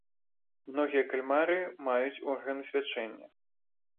Многія кальмары маюць органы свячэння.